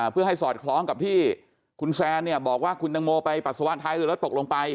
เพื่อให้สอดคล้องกับที่คุณแซนเนี่ยบอกว่าคุณตังโมไปปัสสาวะท้ายเรือแล้วตกลงไป